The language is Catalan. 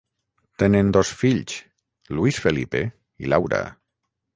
Tenen dos fills, Luis Felipe i Laura.